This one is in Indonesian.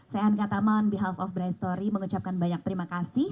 saya angga tama on behalf of brightstory mengucapkan banyak terima kasih